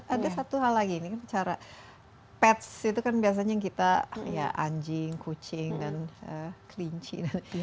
ada satu hal lagi ini kan cara pets itu kan biasanya kita ya anjing kucing dan kelinci